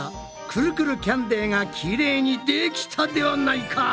くるくるキャンデーがきれいにできたではないか！